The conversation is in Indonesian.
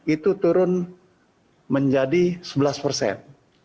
itu turun menjadi sebelas persen